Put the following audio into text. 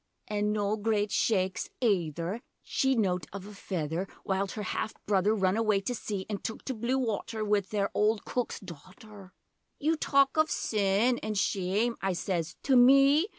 [An' noa great shaakes ayther She'd nowt of a feyther While 'er half brother run away to sea An' took to blue water Wi' their ole cook's daughter] 'You talk of "sin" an' "shame,"' I sez, 'to me?